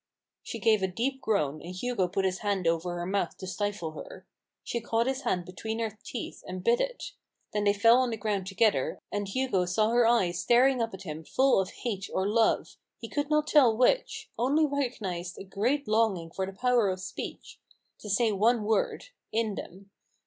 She gave a deep groan, and Hugo put his hand over her mouth to stifle her. She caught his hand between her teeth and bit it. Then they fell on the ground together, and Hugo saw her eyes staring up at him full of hate l66 A BOOK OF BARGAINS. or love— he could not tell which ; only recog nised a great longing for the power of speech — to say one word — in them.